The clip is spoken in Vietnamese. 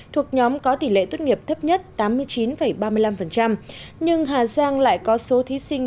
thuộc nhóm có tỷ lệ tốt nghiệp thấp nhất tám mươi chín ba mươi năm nhưng hà giang lại có số thí sinh